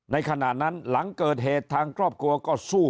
ขณะนั้นหลังเกิดเหตุทางครอบครัวก็สู้